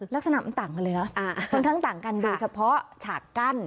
ลักษณะมันต่างกันเลยนะค่อนข้างต่างกันโดยเฉพาะฉากกั้น